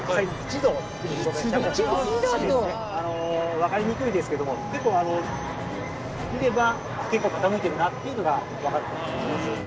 分かりにくいですけども見れば結構傾いてるなっていうのが分かると思います。